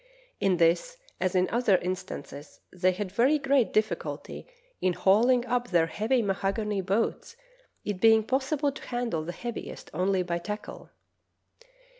In this as in other instances they had very great difficulty in hauling up their heavy mahogany boats, it being possi ble to handle the heaviest only by tackle.